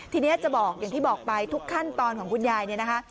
ทีนี้จะบอกอย่างที่บอกไปทุกขั้นตอนของคุณยายเนี่ยนะคะ